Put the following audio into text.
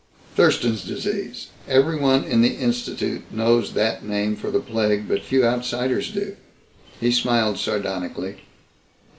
"Thurston's Disease. Everyone in the Institute knows that name for the plague, but few outsiders do." He smiled sardonically.